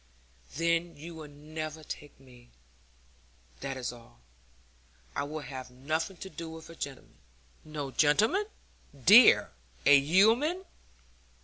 'Then you will never take me, that is all. I will have nothing to do with a gentleman' 'No gentleman, dear a yeoman.'